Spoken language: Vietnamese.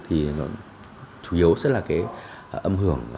thì nó chủ yếu sẽ là cái âm hưởng